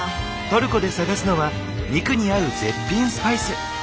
トルコで探すのは肉に合う絶品スパイス。